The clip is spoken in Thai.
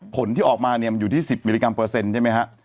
ผลที่ออกมาเนี่ยมันอยู่ที่๑๐มิลลิกรัมเปอร์เซ็นต์ใช่ไหมฮะ